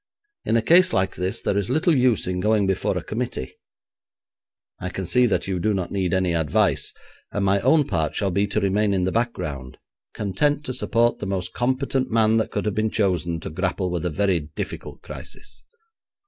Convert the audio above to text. In a case like this there is little use in going before a committee. I can see that you do not need any advice, and my own part shall be to remain in the background, content to support the most competent man that could have been chosen to grapple with a very difficult crisis.'